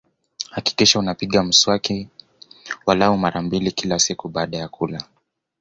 Hakikisha unapiga mswaki walau mara mbili kwa siku kila siku baada ya kula